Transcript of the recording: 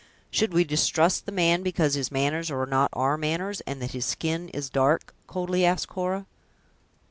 "Should we distrust the man because his manners are not our manners, and that his skin is dark?" coldly asked Cora.